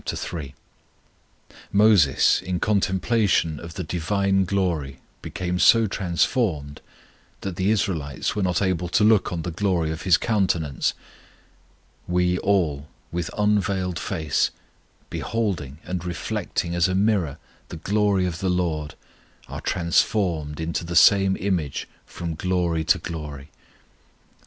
Moses in contemplation of the Divine glory became so transformed that the Israelites were not able to look on the glory of his countenance. "We all, with unveiled face [beholding and] reflecting as a mirror the glory of the LORD, are transformed into the same image from glory to glory [_i.